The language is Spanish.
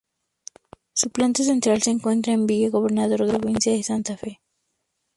Su planta central se encuentra en Villa Gobernador Gálvez, Provincia de Santa Fe.